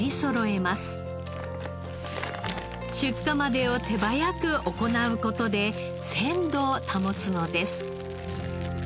出荷までを手早く行う事で鮮度を保つのです。